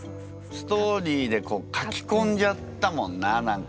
ストーリーで書きこんじゃったもんな何か。